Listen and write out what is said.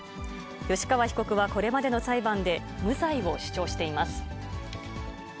吉川被告はこれまでの裁判で無罪を主張しています。